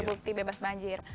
terbukti bebas banjir